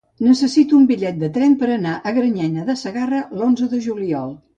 Necessito un bitllet de tren per anar a Granyena de Segarra l'onze de juliol.